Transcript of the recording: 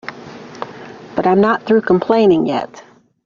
But I'm not through complaining yet.